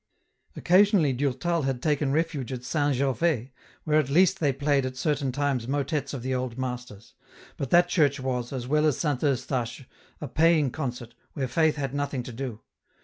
Occasionally Durtal had taken refuge at St. Gervais, where at least they played at certain times motets of the old masters ; but that church was, as well as St. Eustache, a paying concert, where Faith had nothing to do.